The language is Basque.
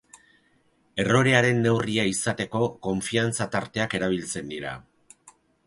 Errorearen neurria izateko, konfiantza-tarteak erabiltzen dira.